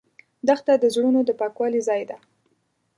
دښته د زړونو د پاکوالي ځای ده.